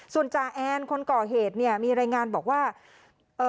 ส่วนจาแอนคนก่อเหตุเนี่ยมีรายงานบอกว่าเอ่อ